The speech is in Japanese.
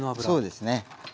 そうですね。